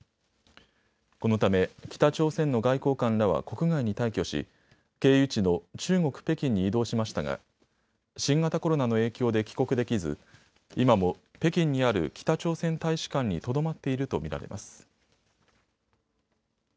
このため北朝鮮の外交官らは国外に退去し経由地の中国・北京に移動しましたが新型コロナの影響で帰国できず今も北京にある北朝鮮大使館にとどまっていると見られます。